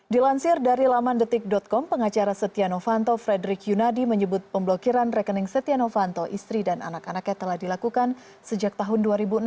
dilansir dari laman detik com pengacara setia novanto frederick yunadi menyebut pemblokiran rekening setia novanto istri dan anak anaknya telah dilakukan sejak tahun dua ribu enam belas